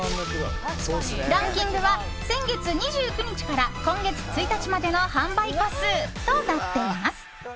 ランキングは先月２９日から今月１日までの販売個数となっています。